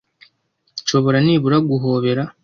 Nshobora nibura guhobera?